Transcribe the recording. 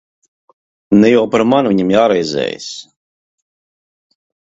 Ne jau par mani viņam jāraizējas.